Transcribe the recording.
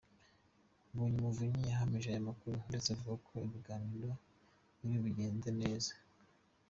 Mbonyumuvunyi yahamije aya makuru ndetse avuga ko ibiganiro biri kugenda neza.